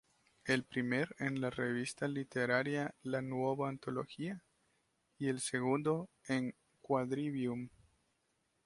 El primer en la revista literaria "La Nuova Antología" y el segundo en "Quadrivium".